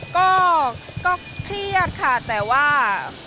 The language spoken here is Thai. ก็เครียดค่ะแต่ว่า